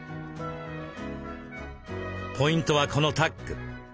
ポイントはこのタック。